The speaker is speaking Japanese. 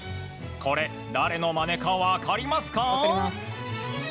これ、誰のまねか分かりますか？